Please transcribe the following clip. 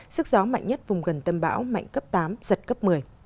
sức gió mạnh nhất vùng gần tâm bão mạnh cấp tám giật cấp một mươi